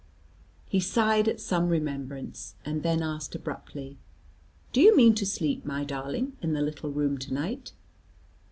He sighed at some remembrance, and then asked abruptly, "Do you mean to sleep, my darling, in the little room to night?"